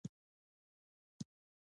اړیکې ولې مهمې دي؟